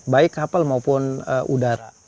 baik kapal maupun udara